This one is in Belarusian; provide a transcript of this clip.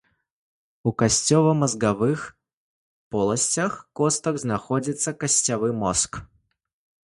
У касцёвамазгавых поласцях костак знаходзіцца касцявы мозг.